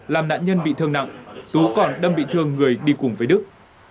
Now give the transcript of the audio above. làm nạn nhân bị thương nặng tú còn đâm bị thương người đi cùng với đức